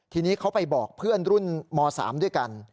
ทีนี้เขาไปบอกเพื่อนรุ่นม๓ด้วยกัน